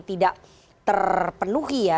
tidak terpenuhi ya